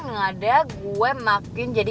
yang ada gue makuin jadi